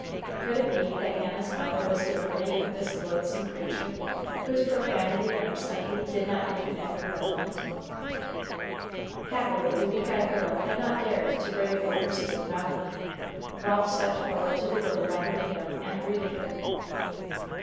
Could it be that Hannah's mother was the room mate of this loathsome creature, whose profanity and obscenity did not intermit for a moment? Happily the weak eyed girl had not dared to brave the curses of Mowley. Ralph stepped forward to the woman by the window, and greeted her.